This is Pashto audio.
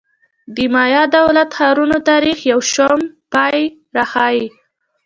د مایا دولت ښارونو تاریخ یو شوم پای راښيي